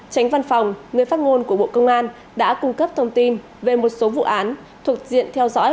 tránh văn phòng người phát ngôn của bộ công an đã cung cấp thông tin về một số vụ án thuộc diện theo dõi